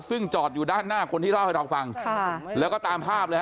ซึ่งจอดอยู่ด้านหน้าคนที่เล่าให้เราฟังค่ะแล้วก็ตามภาพเลยฮ